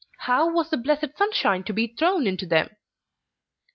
How was the blessed sunshine to be thrown into them?